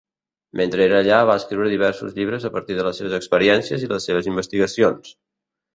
Mentre era allà, va escriure diversos llibres a partir de les seves experiències i les seves investigacions.